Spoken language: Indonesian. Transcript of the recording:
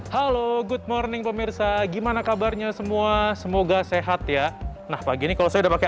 halo good morning pemirsa gimana kabarnya semua semoga sehat ya nah pagi ini kalau saya udah pakai